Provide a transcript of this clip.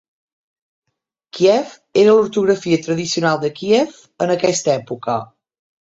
Kief era l'ortografia tradicional de Kíev en aquesta època.